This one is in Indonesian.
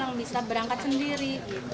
yang bisa berangkat sendiri